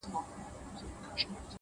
• تـا كــړلــه خـــپـــره اشــــنـــــا،